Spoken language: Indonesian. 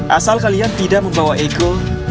asal kalian tidak membawa ego